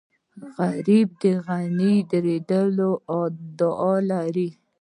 غریب د غني نه ډېره دعا لري